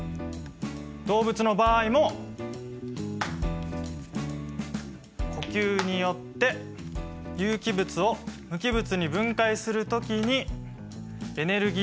動物の場合も呼吸によって有機物を無機物に分解する時にエネルギーが出る。